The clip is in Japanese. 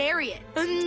うん」。